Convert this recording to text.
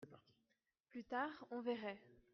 Plus tard, on verrait.